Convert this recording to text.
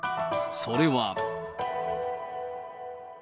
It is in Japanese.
それは。